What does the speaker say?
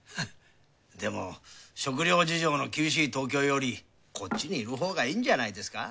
でも食料事情の厳しい東京よりこっちにいるほうがいいんじゃないですか。